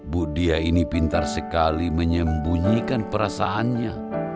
bu dia ini pintar sekali menyembunyikan perasaannya